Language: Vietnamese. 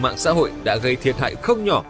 mạng xã hội đã gây thiệt hại không nhỏ